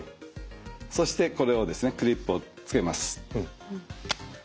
そしてこれをですねクリップをつけます。